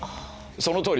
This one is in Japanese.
そのとおり。